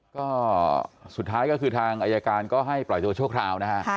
ก็สุดท้ายก็คือทางอายการก็ให้ปล่อยตัวชั่วคราวนะฮะ